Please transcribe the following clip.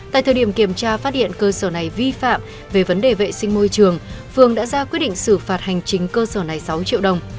tại thời điểm kiểm tra phát hiện cơ sở này vi phạm về vấn đề vệ sinh môi trường phương đã ra quyết định xử phạt hành chính cơ sở này sáu triệu đồng